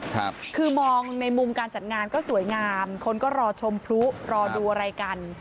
คือมองในมุมการจัดงานก็สวยงามคนก็รอชมพลุรอดูอะไรกัน